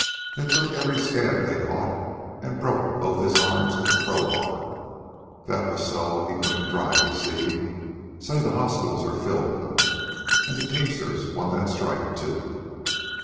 They took every scab they caught an' broke both his arms with a crowbar. That was so he couldn't drive, you see. Say, the hospitals was filled with 'em. An' the teamsters won that strike, too."